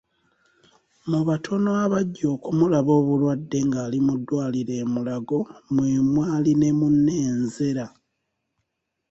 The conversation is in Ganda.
Mu batono abajja okumulaba obulwadde ng’ali mu ddwaliro e Mulago mwe mwali ne munne Nzera.